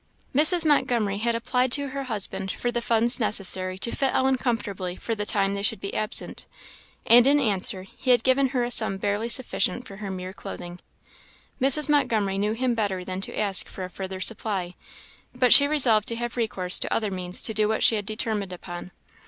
Mrs. Montgomery had applied to her husband for the funds necessary to fit Ellen comfortably for the time they should be absent; and in answer he had given her a sum barely sufficient for her mere clothing. Mrs. Montgomery knew him better than to ask for a further supply, but she resolved to have recourse to other means to do what she had determined upon.